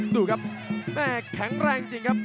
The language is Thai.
ดูครับแม่แข็งแรงจริงครับ